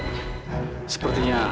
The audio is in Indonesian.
tidak ada apa apa